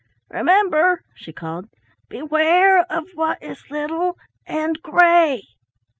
"Remember," she called, "beware of what is little and gray."